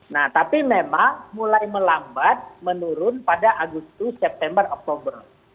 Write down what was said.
nah tapi memang mulai melambat menurun pada agustus september oktober